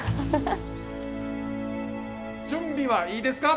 準備はいいですか？